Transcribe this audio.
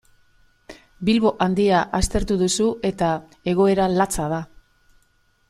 Bilbo Handia aztertu duzu eta egoera latza da.